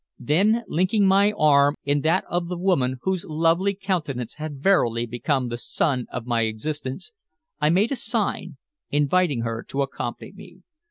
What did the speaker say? Then, linking my arm in that of the woman whose lovely countenance had verily become the sun of my existence, I made a sign, inviting her to accompany me.